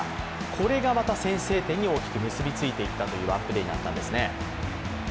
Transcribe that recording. これがまた先制点に大きく結び付いて言ったというワンプレーになったんですね。